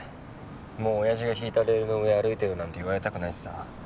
もう親父が敷いたレールの上歩いてるなんて言われたくないしさ。